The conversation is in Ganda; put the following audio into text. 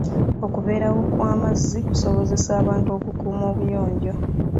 Okubeerawo kw'amazzi kusobozesa abantu okukuuma obuyonjo.